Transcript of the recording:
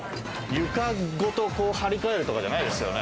床ごと張り替えるとかじゃないですよね？